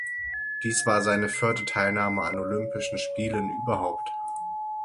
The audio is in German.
Dies war seine vierte Teilnahme an Olympischen Spielen überhaupt.